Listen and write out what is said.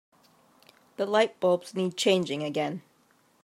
The lightbulbs need changing again.